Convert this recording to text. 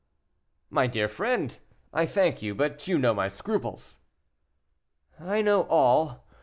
"My dear friend, I thank you, but you know my scruples." "I know all.